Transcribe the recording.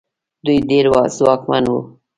دوی ډېر ځواکمن وو.